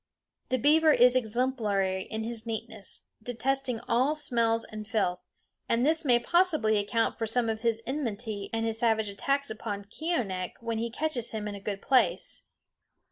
The beaver is exemplary in his neatness, detesting all smells and filth; and this may possibly account for some of his enmity and his savage attacks upon Keeonekh when he catches him in a good place.